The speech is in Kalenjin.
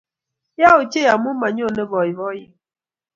Yaa ochei amu manyone boiboiyet